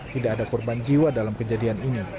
tidak ada korban jiwa dalam kejadian ini